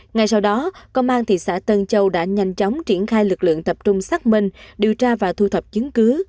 ngay sau đó công an thị xã tân châu đã nhanh chóng triển khai lực lượng tập trung xác minh điều tra và thu thập chứng cứ